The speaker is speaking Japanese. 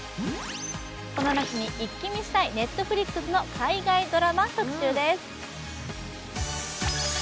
この夏に一気見したいＮｅｔｆｌｉｘの海外ドラマ特集です。